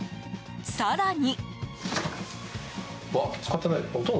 更に。